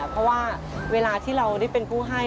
เพราะว่าเวลาที่เราได้เป็นผู้ให้